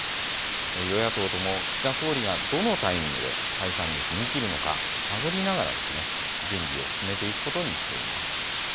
与野党とも岸田総理がどのタイミングで解散に踏み切るのか探りながら準備を進めていくことにしています。